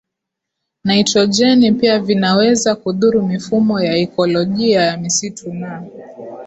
nitrojeni pia vinaweza kudhuru mifumo ya ikolojia ya misitu na